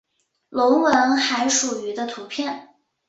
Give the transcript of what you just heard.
隆吻海蠋鱼的图片